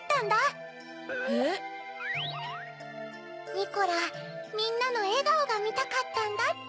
ニコラみんなのえがおがみたかったんだって。